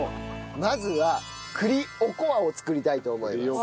まずは栗おこわを作りたいと思います。